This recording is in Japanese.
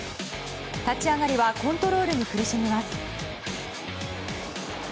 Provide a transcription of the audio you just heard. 立ち上がりはコントロールに苦しみます。